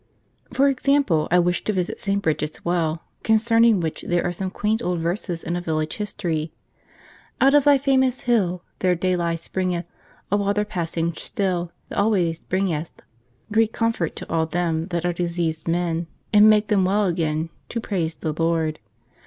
For example, I wish to visit St. Bridget's Well, concerning which there are some quaint old verses in a village history: 'Out of thy famous hille, There daylie springyeth, A water passynge stille, That alwayes bringyeth Grete comfort to all them That are diseased men, And makes them well again To prayse the Lord.